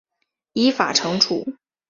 依法惩处